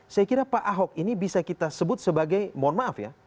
saya kira pak ahok ini bisa kita sebut sebagai mohon maaf ya